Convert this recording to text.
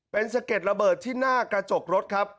เป็นสะเก็ดระเบิดที่หน้ากระจกรถครับ